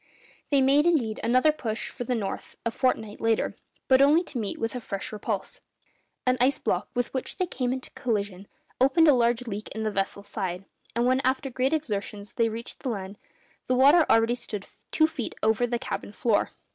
They made, indeed, another push for the north a fortnight later, but only to meet with a fresh repulse. An ice block with which they came into collision opened a large leak in the vessel's side; and when after great exertions they reached the land, the water already stood two feet over the cabin floor.